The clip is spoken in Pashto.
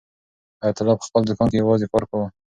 حیات الله په خپل دوکان کې یوازې کار کاوه.